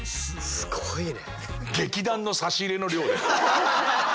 すごいね。